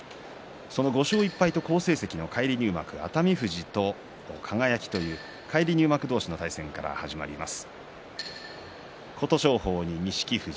５勝１敗、好成績の返り入幕熱海富士と輝という返り入幕同士の対戦から始まります。